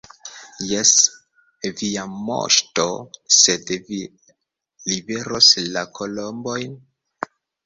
Jes, Via Moŝto, sed vi liveros la kolombojn?